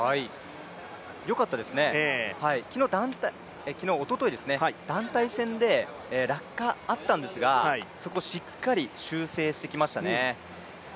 よかったですね、おととい、団体戦で落下があったんですが、そこ、しっかり修正してきましたね